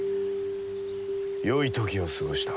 よい時を過ごした。